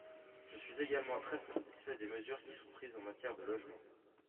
Je suis également très satisfait des mesures qui sont prises en matière de logements.